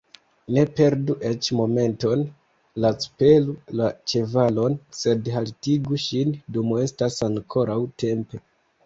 Ne perdu eĉ momenton, lacpelu la ĉevalon, sed haltigu ŝin, dum estas ankoraŭ tempo!